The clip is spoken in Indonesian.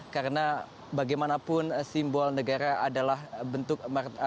karena bagaimanapun simbol negara adalah bentuk